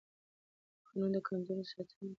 قانون د کمزورو ساتنه کوي